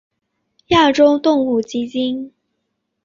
亚洲动物基金。